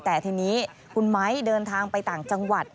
แต่ทีนี้คุณไม้เดินทางไปต่างจังหวัด